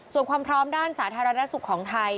ส่วนความพร้อมด้านสาธารณสุขของไทย